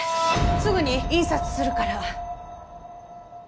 すぐに印刷するから。